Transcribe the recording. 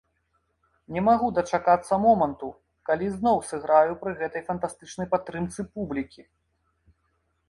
Не магу дачакацца моманту, калі зноў сыграю пры гэтай фантастычнай падтрымцы публікі.